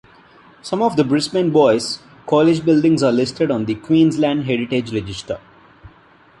Some of the Brisbane Boys' College Buildings are listed on the Queensland Heritage Register.